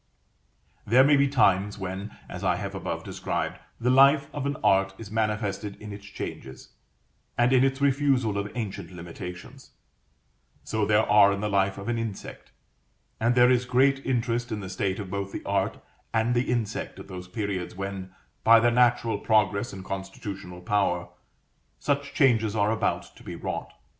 There may be times when, as I have above described, the life of an art is manifested in its changes, and in its refusal of ancient limitations: so there are in the life of an insect; and there is great interest in the state of both the art and the insect at those periods when, by their natural progress and constitutional power, such changes are about to be wrought.